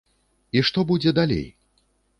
І што будзе далей?